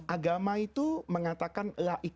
agama itu mengatakan